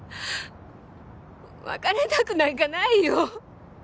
別れたくなんかないよ。